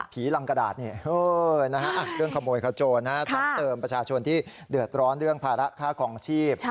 ผีลังกระดาษเนี่ยเรื่องขโมยขาดโจรนะซับเติมประชาชนที่เดือดร้อนเรื่องภาระฆ่าของชีพ